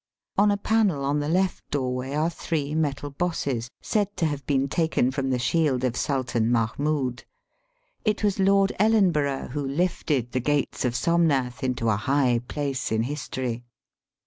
On a panel on the left doorway are three metal bosses, said to have been taken from the shield of Sultan Mahmood. It was Lord Ellenborough who lifted the Gates of Somnath into a high place in history.